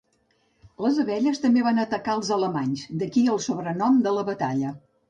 Les abelles també van atacar als alemanys, d'aquí el sobrenom de la batalla.